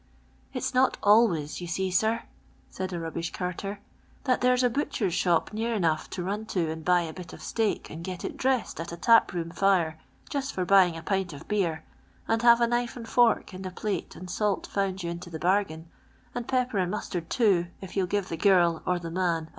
" It *8 not always, you see, sir," said a rubbish carter, "that there's a butcher's shop near enough to run to and buy a bit of steak and get it dressed at a tap room fire, just for buying a pint of beer, and have a knife and fork, and a plate, and salt found you iriCo the bargain, and pepj)er and mustard too, if you *11 give the girl or the man Id.